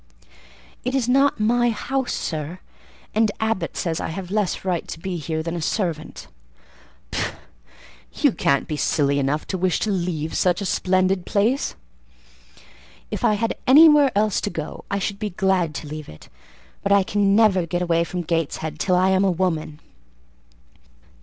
"It is not my house, sir; and Abbot says I have less right to be here than a servant." "Pooh! you can't be silly enough to wish to leave such a splendid place?" "If I had anywhere else to go, I should be glad to leave it; but I can never get away from Gateshead till I am a woman."